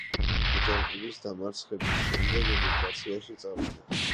აჯანყების დამარცხების შემდეგ ემიგრაციაში წავიდა.